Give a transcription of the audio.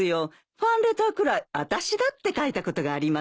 ファンレターくらい私だって書いたことがありますよ。